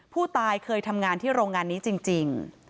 ผู้ตายเคยทำงานที่โรงงานนี้จริง